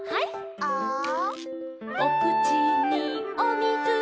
「ア」「おくちにおみず」